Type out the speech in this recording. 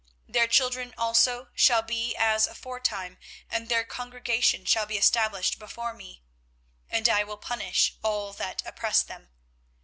24:030:020 Their children also shall be as aforetime, and their congregation shall be established before me, and I will punish all that oppress them.